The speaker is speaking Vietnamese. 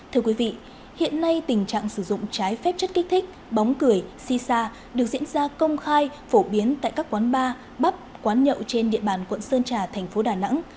thưa quý vị hiện nay tình trạng sử dụng trái phép chất kích thích bóng cười si sa được diễn ra công khai phổ biến tại các quán bar bắp quán nhậu trên địa bàn quận sơn trà thành phố đà nẵng